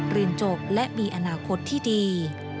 เรียนจบและมีอนาคตที่ดี